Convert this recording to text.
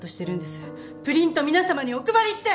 プリント皆さまにお配りして！